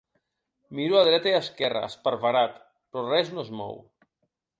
Miro a dreta i esquerra, esparverat, però res no es mou.